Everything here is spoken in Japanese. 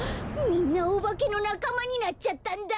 みんなおばけのなかまになっちゃったんだ！